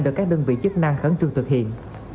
được các đơn vị chức năng khẩn trương thực hiện